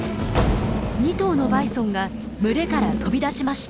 ２頭のバイソンが群れから飛び出しました。